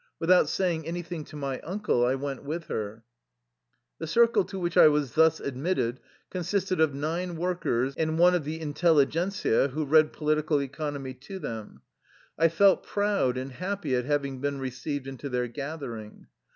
Without saying anything to my uncle I went with her. The circle to which I was thus admitted con sisted of nine workers and one intelUguent who read political economy to them. I felt proud and happy at having been received into their gathering.